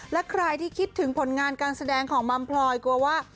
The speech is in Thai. และใครที่คิดถึงผลงานการแสดงของมัมพลอยกลัวว่า